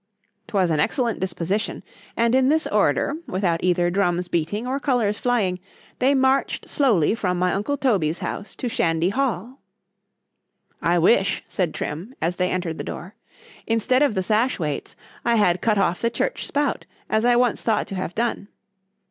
——'Twas an excellent disposition,—and in this order, without either drums beating, or colours flying, they marched slowly from my uncle Toby's house to Shandy hall. ——I wish, said Trim, as they entered the door,—instead of the sash weights, I had cut off the church spout, as I once thought to have done.